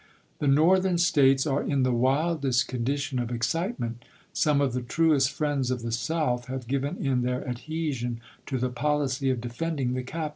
The Northeni States are in the ■svildest condition of excitement. Some of the truest friends of the South have given in their adhesion to the policy of " defending the 262 ABKAHAM LINCOLN Chap.